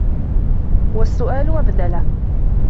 وَالسُّؤَالُ مَبْذَلَةٌ